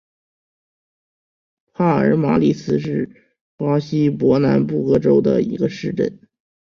帕尔马里斯是巴西伯南布哥州的一个市镇。